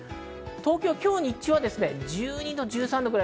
今日、日中は１２度、１３度ぐらい。